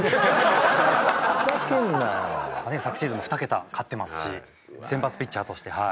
昨シーズンも２ケタ勝ってますし選抜ピッチャーとしてはい。